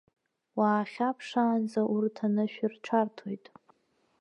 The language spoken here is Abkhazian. Уаахьаԥшаанӡа урҭ анышә рҽарҭоит.